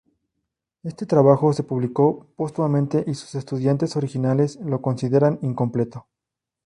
Este trabajo se publicó póstumamente y sus estudiantes originales lo consideran incompleto.